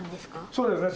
そうですね。